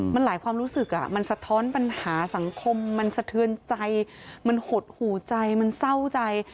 มันหลายความรู้สึกมันสะท้อนปัญหาสังคมมันสะเทือนใจมันหดหูใจมันเศร้าใจ